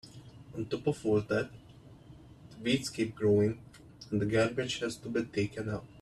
On top of all that, the weeds keep growing and the garbage has to be taken out.